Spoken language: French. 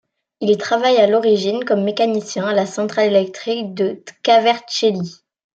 Il travaille à l'origine comme mécanicien à la centrale électrique de Tkvartchéli.